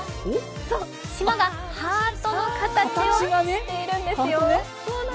そう、島がハートの形をしているんですよ。